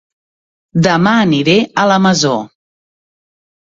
Dema aniré a La Masó